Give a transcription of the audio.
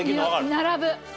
並ぶ。